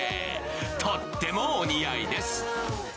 とってもお似合いです。